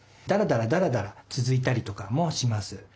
だらだらだらだら続いたりとかもします。